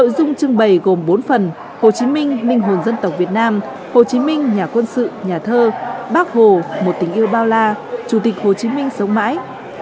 đề gồm bốn phần hồ chí minh ninh hồn dân tộc việt nam hồ chí minh nhà quân sự nhà thơ bác hồ một tình yêu bao la chủ tịch hồ chí minh sống mãi